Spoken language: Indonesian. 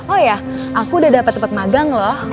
oh ya aku udah dapat tempat magang loh